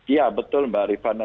iya betul mbak rifana